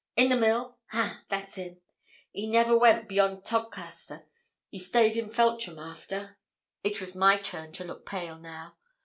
'In the mill? Ha! that's him. He never went beyond Todcaster. He staid in Feltram after.' It was my turn to look pale now.